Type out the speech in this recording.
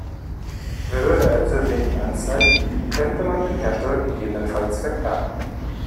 Würde er zu wenig anzeigen, könnte man den Hersteller gegebenenfalls verklagen.